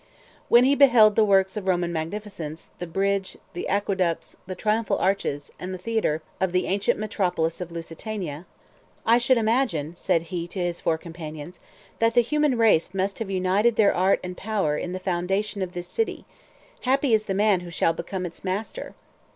When he beheld the works of Roman magnificence, the bridge, the aqueducts, the triumphal arches, and the theatre, of the ancient metropolis of Lusitania, "I should imagine," said he to his four companions, "that the human race must have united their art and power in the foundation of this city: happy is the man who shall become its master!"